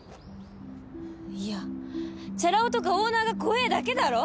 いやチャラ男とかオーナーが怖えだけだろ？